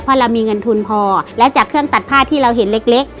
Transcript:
เพราะเรามีเงินทุนพอและจากเครื่องตัดผ้าที่เราเห็นเล็ก